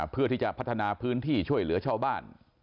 เพื่อที่จะพัฒนาพื้นที่ช่วยเหลือชาวบ้าน